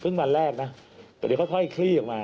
วันแรกนะแต่เดี๋ยวค่อยคลี่ออกมา